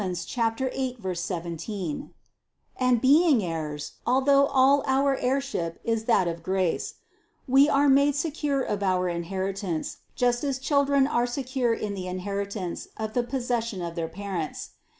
8, 17) and being heirs (although all our heirship is that of grace) we are made secure of our inheritance, just as children are secure in the inheritance of the possession of their parents.